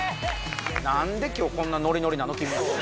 何で今日こんなノリノリなの？